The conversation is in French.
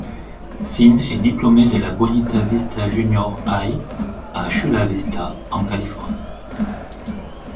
Sean est diplômé de la Bonita Vista Junior High à Chula Vista en Californie.